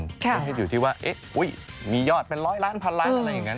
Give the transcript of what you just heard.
ไม่ใช่อยู่ที่ว่ามียอดเป็นร้อยล้านพันล้านอะไรอย่างนั้น